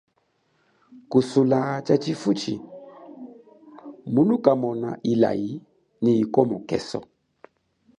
Kusula tshatshi futshi munu kamona ilayi nyi ikomokeso.